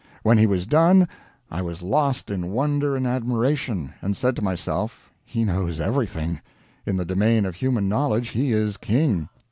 When he was done, I was lost in wonder and admiration, and said to myself, he knows everything; in the domain of human knowledge he is king.